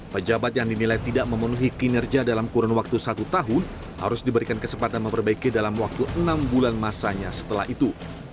pejabat yang dinilai tidak memenuhi kinerja dalam kurun waktu satu tahun harus diberikan kesempatan memperbaiki dalam waktu enam bulan masanya setelah itu